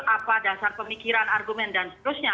apa dasar pemikiran argumen dan seterusnya